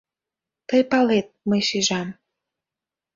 Тый палет, мый шижам